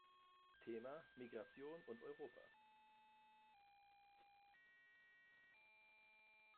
Thema: Migration und Europa.